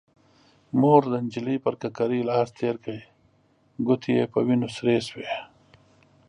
مور د نجلۍ پر ککرۍ لاس تير کړ، ګوتې يې په وينو سرې شوې.